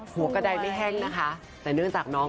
หัวกระดายไม่แห้งนะคะแต่เนื่องจากน้อง